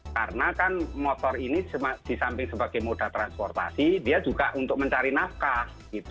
karena kan motor ini disamping sebagai moda transportasi dia juga untuk mencari nafkah